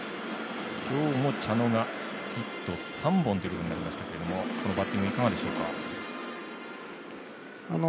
今日も茶野がヒット３本ということになりましたけどもこのバッティングいかがでしょうか？